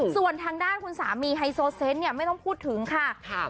ส่วนทางด้านคุณสามีไฮโซเซนต์เนี่ยไม่ต้องพูดถึงค่ะ